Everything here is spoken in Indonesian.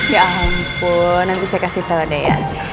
ya ampun nanti saya kasih tau deh ya